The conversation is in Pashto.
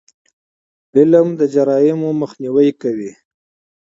علم د جرایمو مخنیوی کوي.